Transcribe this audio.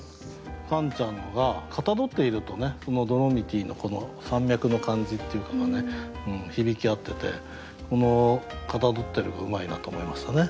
カンちゃんのが「象っている」とねドロミティの山脈の感じっていうかが響き合っててこの「象っている」がうまいなと思いましたね。